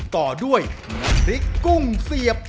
ต่อด้วยน้ำพริกกุ้งเสียบ